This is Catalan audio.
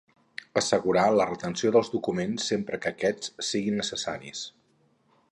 Assegurar la retenció dels documents sempre que aquests siguin necessaris.